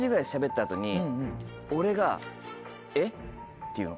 俺が。って言うの。